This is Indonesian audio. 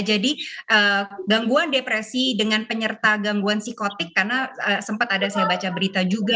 jadi gangguan depresi dengan penyerta gangguan psikotik karena sempat ada saya baca berita juga